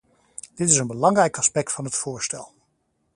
Dit is een belangrijk aspect van het voorstel.